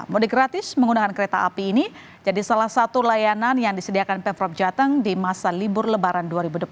mudik gratis menggunakan kereta api ini jadi salah satu layanan yang disediakan pemprov jateng di masa libur lebaran dua ribu delapan belas